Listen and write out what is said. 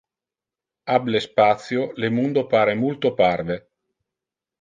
Ab le spatio, le mundo pare multo parve.